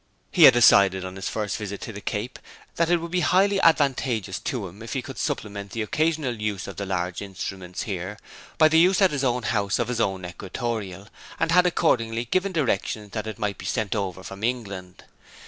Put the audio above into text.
He had decided, on his first visit to the Cape, that it would be highly advantageous to him if he could supplement the occasional use of the large instruments here by the use at his own house of his own equatorial, and had accordingly given directions that it might be sent over from England.